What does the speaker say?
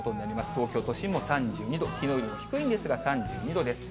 東京都心も３２度、きのうよりも低いんですが、３２度です。